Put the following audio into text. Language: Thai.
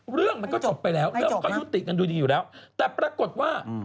เรื่องมันก็จบไปแล้วเรื่องมันก็ยุติกันดูดีอยู่แล้วแต่ปรากฏว่า